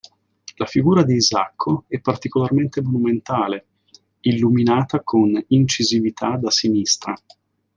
La figura di Isacco è particolarmente monumentale, illuminata con incisività da sinistra.